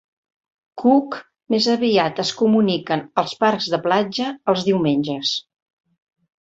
Cook més aviat es comuniquen als parcs de platja, els diumenges.